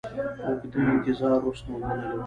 اوږده انتظار وروسته ومنلو.